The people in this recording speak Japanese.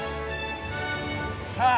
さあ。